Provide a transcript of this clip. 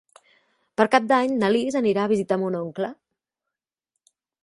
Per Cap d'Any na Lis anirà a visitar mon oncle.